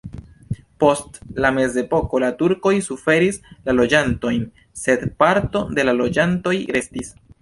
Post la mezepoko la turkoj suferigis la loĝantojn, sed parto de la loĝantoj restis.